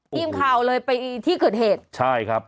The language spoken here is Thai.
ทีมข่าวเลยไปที่เกิดเหตุใช่ครับ